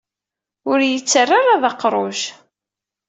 Ur d iyi-ttarra ara d aqruj.